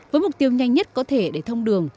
với mục tiêu nhanh nhất có thể để thông đường